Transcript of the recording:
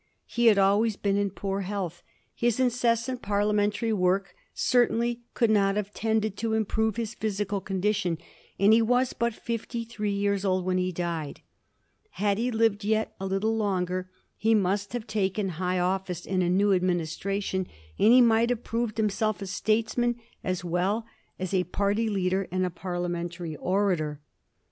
He had always been in poor health ; his incessant parlia mentary work certainly could not have tended to improve his physical condition; and he was but fifty three years old when he died. Had he lived yet a little longer he must have taken high office in a new administration, and he might have proved himself a statesman as well as a party leader and a parliamentary orator.